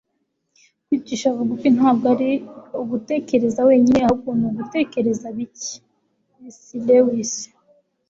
kwicisha bugufi ntabwo ari ugutekereza wenyine, ahubwo ni ugutekereza bike - c s lewis